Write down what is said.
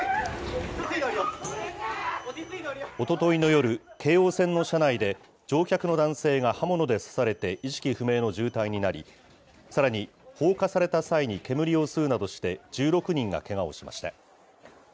おとといの夜、京王線の車内で、乗客の男性が刃物で刺されて意識不明の重体になり、さらに、放火された際に煙を吸うなどして１６人がけがをしました。